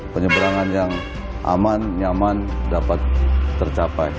penyeberangan yang aman nyaman dapat tercapai